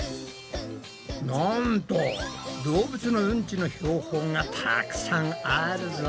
なんと動物のうんちの標本がたくさんあるぞ！